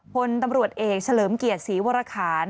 พลตำรวจเอกเฉลิมเกียรติศรีวรคาร